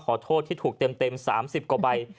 ขอโทษที่ถูกเต็ม๓๐กว่าใบ